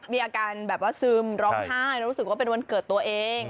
มีอาการแบบว่าซึมร้องไห้แล้วรู้สึกว่าเป็นวันเกิดตัวเอง